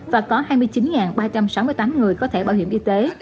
và có hai mươi chín ba trăm sáu mươi tám người có thể bảo hiểm y tế